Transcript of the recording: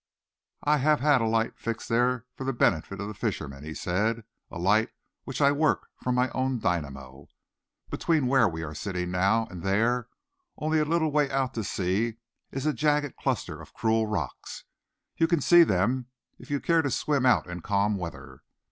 "I have had a light fixed there for the benefit of the fishermen," he said, "a light which I work from my own dynamo. Between where we are sitting now and there only a little way out to sea is a jagged cluster of cruel rocks. You can see them if you care to swim out in calm weather.